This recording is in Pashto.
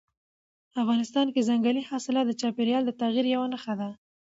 افغانستان کې ځنګلي حاصلات د چاپېریال د تغیر یوه نښه ده.